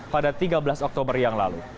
pada tiga belas oktober yang lalu